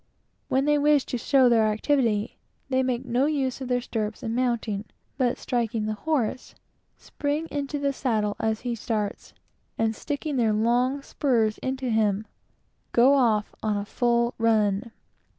When they wish to show their activity, they make no use of their stirrups in mounting, but striking the horse, spring into the saddle as he starts, and sticking their long spurs into him, go off on the full run.